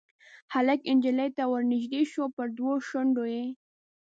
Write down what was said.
هلک نجلۍ ته ورنیژدې شو پر دوو شونډو یې